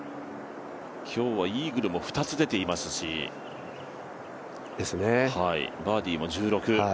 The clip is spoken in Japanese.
今日はイーグルも２つ出ていますし、バーディーも１６。